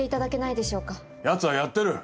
やつはやってる。